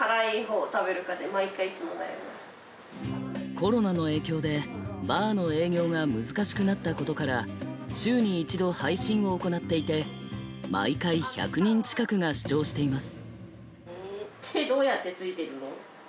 コロナの影響で、バーの営業が難しくなったことから週に一度、配信を行っていて毎回１００人近くが視聴しています。